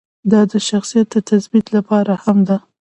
دا د شخصیت د تثبیت لپاره هم ده.